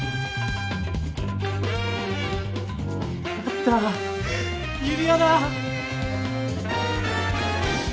あった指輪だ！